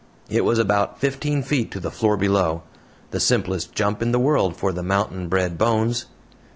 It was about fifteen feet to the floor below the simplest jump in the world for the mountain bred Bones.